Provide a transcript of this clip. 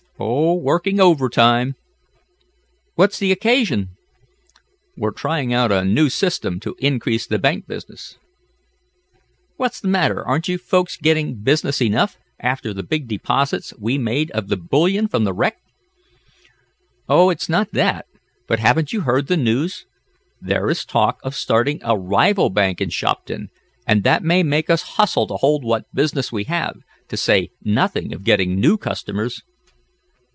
"Oh, working overtime." "What's the occasion?" "We're trying out a new system to increase the bank business." "What's the matter? Aren't you folks getting business enough, after the big deposits we made of the bullion from the wreck?" "Oh, it's not that. But haven't you heard the news? There is talk of starting a rival bank in Shopton, and that may make us hustle to hold what business we have, to say nothing of getting new customers."